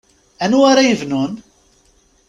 Anwa ara yebnun?